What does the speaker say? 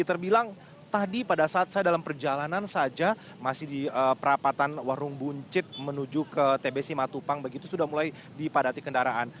terbilang tadi pada saat saya dalam perjalanan saja masih di perapatan warung buncit menuju ke tbc matupang begitu sudah mulai dipadati kendaraan